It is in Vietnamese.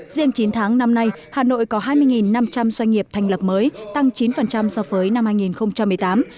riêng chín tháng năm nay hà nội có hai mươi năm trăm linh doanh nghiệp thành lập mới tăng chín so với năm hai nghìn một mươi tám